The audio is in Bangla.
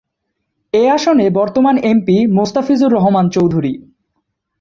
এ আসনে বর্তমান এমপি মোস্তাফিজুর রহমান চৌধুরী।